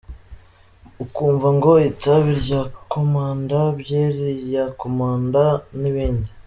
Ukumva ngo “Itabi rya Komanda…byeri ya komanda n’ibindi”.